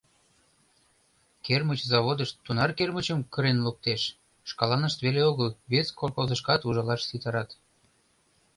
Кермыч заводышт тунар кермычым кырен луктеш — шкаланышт веле огыл, вес колхозышкат ужалаш ситарат...